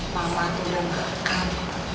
mama tuh dengarkan